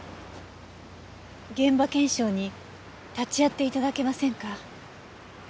現場検証に立ち会っていただけませんか？